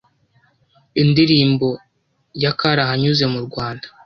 Indirimbo ya karahanyuze mu Rwanda